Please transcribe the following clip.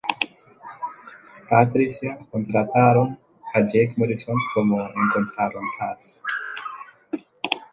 Patricia contrataron a Jake Morrison como encontraron paz.